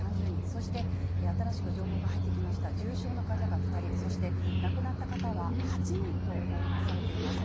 そして新しく情報が入ってきました、重症の方が２人、そして亡くなった方は８人と報告されています。